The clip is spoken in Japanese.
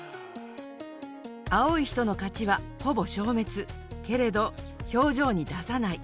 青い人の勝ちはほぼ消滅けれど表情に出さない